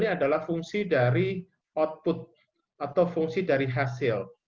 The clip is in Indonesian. ini adalah fungsi dari output atau fungsi dari hasil